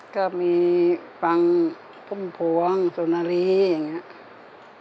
ก็มีฟังฟุ้มภวงสนารีย์อย่างเงี้ย